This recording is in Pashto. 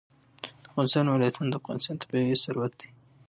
د افغانستان ولايتونه د افغانستان طبعي ثروت دی.